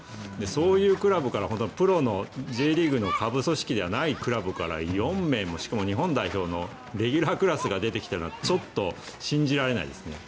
そういうクラブからプロのＪリーグの下部組織ではないクラブから４名もしかも日本代表のレギュラークラスが出てきたのはちょっと信じられないですね。